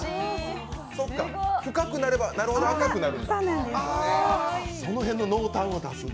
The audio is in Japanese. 深くなればなるほど赤くなる。